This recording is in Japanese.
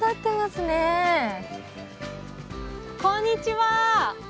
はいこんにちは！